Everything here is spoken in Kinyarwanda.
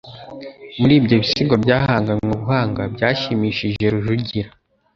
Muri ibyo bisigo byahanganywe ubuhanga, byashimishije Rujugira